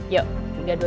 yuk tiga dua satu